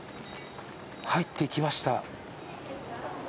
入って行きました。